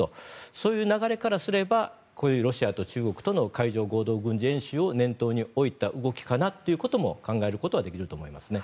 そういう流れからすればロシアと中国の海上合同軍事演習を念頭に置いた動きかなということも考えることはできると思いますね。